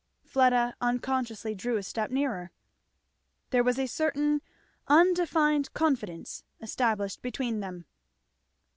Fleda unconsciously drew a step nearer. There was a certain undefined confidence established between them.